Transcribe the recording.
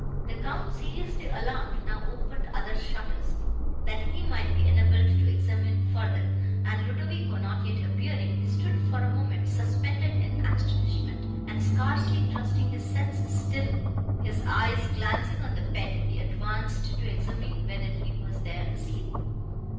The Count, seriously alarmed, now opened other shutters, that he might be enabled to examine further, and, Ludovico not yet appearing, he stood for a moment, suspended in astonishment and scarcely trusting his senses, till, his eyes glancing on the bed, he advanced to examine whether he was there asleep.